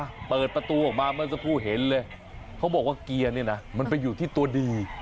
อ่ะเปิดประตูออกมาเมื่อสักครู่เห็นเลยเขาบอกว่าเกียร์เนี่ยนะมันไปอยู่ที่ตัวดี